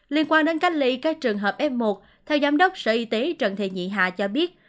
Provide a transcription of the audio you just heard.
liên quan đến cách ly các trường hợp f một theo giám đốc sở y tế trần thị nhị hà cho biết